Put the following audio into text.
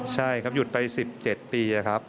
ใช่ครับหยุดไป๑๗ปีครับ